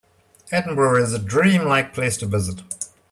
Edinburgh is a dream-like place to visit.